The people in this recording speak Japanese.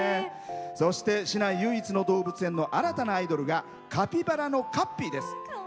そしてしない唯一の動物園の新たなアイドルがカピバラのカッピーです。